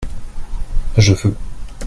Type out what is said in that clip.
je veux.